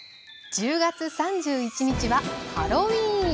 １０月３１日はハロウィーン。